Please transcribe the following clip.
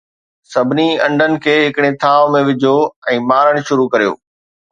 سڀني انڊن کي ھڪڙي ٿانو ۾ وجھو ۽ مارڻ شروع ڪريو